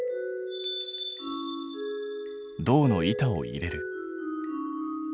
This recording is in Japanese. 銅の板を入れる。